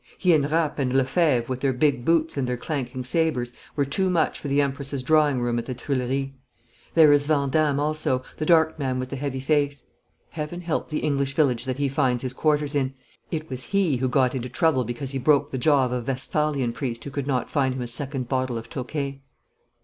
He and Rapp and Lefebvre, with their big boots and their clanking sabres, were too much for the Empress's drawing room at the Tuileries. There is Vandamme also, the dark man with the heavy face. Heaven help the English village that he finds his quarters in! It was he who got into trouble because he broke the jaw of a Westphalian priest who could not find him a second bottle of Tokay.'